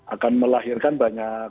akan melahirkan banyak